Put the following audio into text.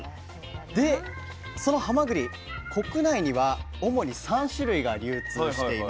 でそのはまぐり国内には主に３種類が流通しています。